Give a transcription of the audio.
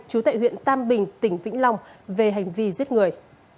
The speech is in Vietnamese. chú tại huyện tam bình tỉnh vĩnh long về hành vi giết người